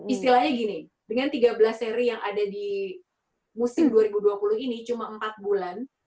istilahnya gini dengan tiga belas seri yang ada di musim dua ribu dua puluh ini cuma empat bulan